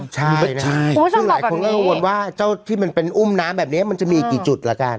ใช่นะคุณผู้ชมบอกแบบนี้หรือว่าเจ้าที่มันเป็นอุ้มน้ำแบบนี้มันจะมีอีกกี่จุดละกัน